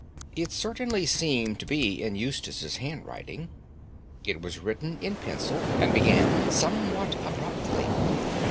It certainly seemed to be in Eustace's handwriting. It was written in pencil, and began somewhat abruptly.